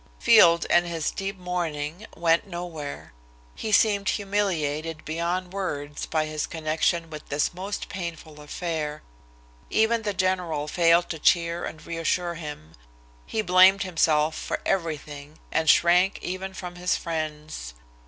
Field, in his deep mourning, went nowhere. He seemed humiliated beyond words by his connection with this most painful affair. Even the general failed to cheer and reassure him. He blamed himself for everything and shrank even from his friends.